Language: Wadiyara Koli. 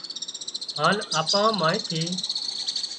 هانَ آپان مانيئن ٿي